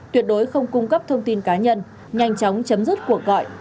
tuyệt đối không cung cấp thông tin cá nhân nhanh chóng chấm dứt cuộc gọi